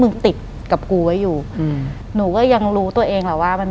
หลังจากนั้นเราไม่ได้คุยกันนะคะเดินเข้าบ้านอืม